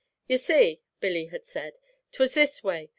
'Ye see,' Billy had said, ''twas this way.